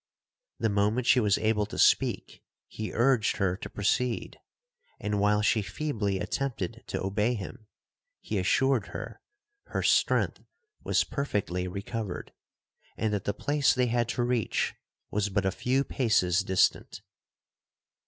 The moment she was able to speak he urged her to proceed,—and while she feebly attempted to obey him, he assured her, her strength was perfectly recovered, and that the place they had to reach was but a few paces distant.